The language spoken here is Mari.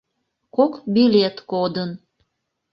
— Кок билет кодын...